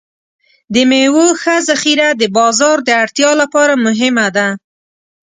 د میوو ښه ذخیره د بازار د اړتیا لپاره مهمه ده.